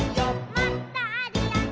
「もっとあるよね」